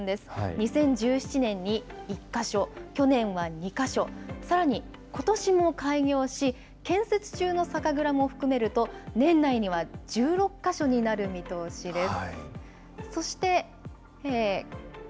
２０１７年に１か所、去年は２か所、さらにことしも開業し、建設中の酒蔵も含めると、年内には１６か所になる見通しです。